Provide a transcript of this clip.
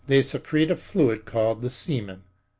They secrete a fluid called the semen.